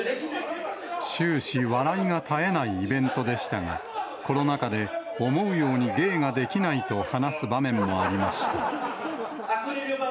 終始、笑いが絶えないイベントでしたが、コロナ禍で、思うように芸ができないと話す場面もありました。